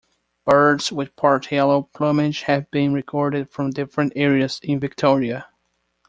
Birds with part-yellow plumage have been recorded from different areas in Victoria.